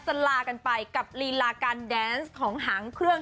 ลากันไปกับลีลาการแดนส์ของหางเครื่อง